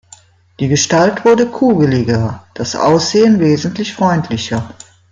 Die Gestalt wurde kugeliger, das Aussehen wesentlich freundlicher.